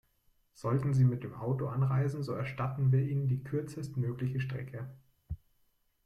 Sollten Sie mit dem Auto anreisen, so erstatten wir Ihnen die kürzest mögliche Stecke.